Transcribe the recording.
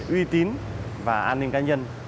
uy tín và an ninh cá nhân